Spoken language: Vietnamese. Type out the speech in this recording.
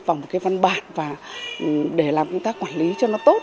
vào một cái văn bản và để làm chúng ta quản lý cho nó tốt